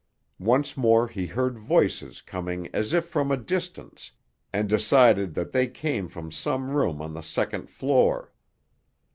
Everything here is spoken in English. Once more he heard voices coming as if from a distance, and decided that they came from some room on the second floor.